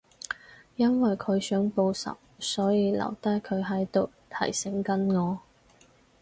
因為佢想報仇，所以留低佢喺度提醒緊我